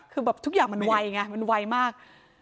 คือแบบทุกอย่างมันไวไงมันไวมาก